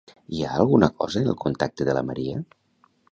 Hi ha alguna cosa en el contacte de la Maria?